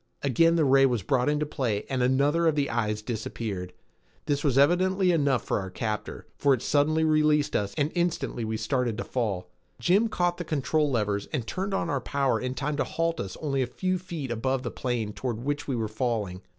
Again the ray was brought into play and another of the eyes disappeared. This was evidently enough for our captor, for it suddenly released us and instantly we started to fall. Jim caught the control levers and turned on our power in time to halt us only a few feet above the plain toward which we were falling.